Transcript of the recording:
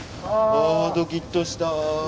あドキッとした。